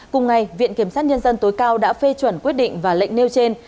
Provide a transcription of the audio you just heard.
cùng ngày viện kiểm sát nhân dân tối cao đã phê chuẩn quyết định và lệnh nêu trên